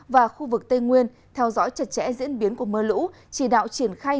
và khu vực tây nguyên theo dõi chặt chẽ diễn biến của mưa lũ chỉ đạo triển khai